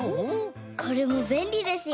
これもべんりですよ！